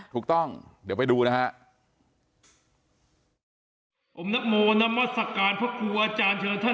ถูกต้องเดี๋ยวไปดูนะฮะ